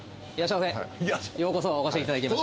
ようこそお越しいただきました。